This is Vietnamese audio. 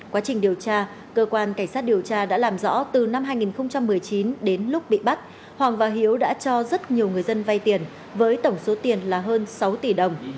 quá trình điều tra cơ quan cảnh sát điều tra đã làm rõ từ năm hai nghìn một mươi chín đến lúc bị bắt hoàng và hiếu đã cho rất nhiều người dân vay tiền với tổng số tiền là hơn sáu tỷ đồng